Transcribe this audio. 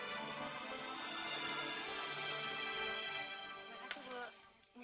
terima kasih bu